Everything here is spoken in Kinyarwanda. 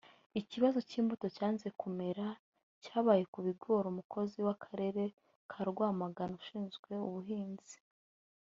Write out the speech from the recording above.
Ikibazo cy’imbuto yanze kumera cyabayeho ku bigoriUmukozi w’akarere ka Rwamagana ushinzwe ubuhinzi